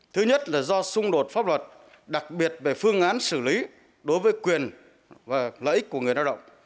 thứ nhất là do xung đột pháp luật đặc biệt về phương án xử lý đối với quyền và lợi ích của người lao động